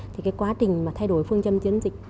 thì cái quá trình mà thay đổi phương châm chiến dịch